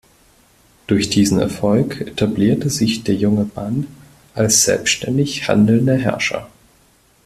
Durch diesen Erfolg etablierte sich der junge Ban als selbstständig handelnder Herrscher.